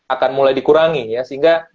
akan mulai dikurangi ya sehingga